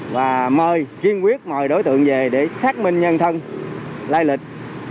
và mời kiên quyết mời đối tượng về để xác minh nhân thân lai lịch